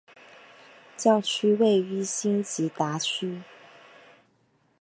教区位于辛吉达区。